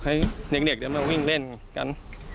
ให้เด็กได้มาวิ่งเล่นกัน